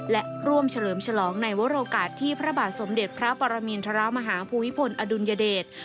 และร่วมเฉลิมฉลองในวรโอกาสที่พระบาทสมเด็จพระปรมินทรมาฮาภูมิพลอดุลยเดช